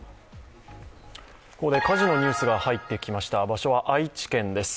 ここで火事のニュースが入ってきました、場所は愛知県です。